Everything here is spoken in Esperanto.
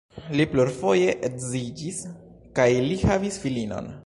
Li plurfoje edziĝis kaj li havis filinon.